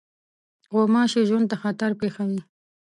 غوماشې ژوند ته خطر پېښوي.